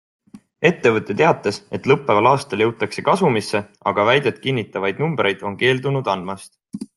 Ettevõte teatas, et lõppeval aastal jõutakse kasumisse, aga väidet kinnitavaid numbreid on keeldunud andmast.